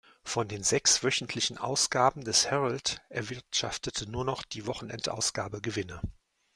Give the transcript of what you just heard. Von den sechs wöchentlichen Ausgaben des Herald erwirtschaftete nur noch die Wochenendausgabe Gewinne.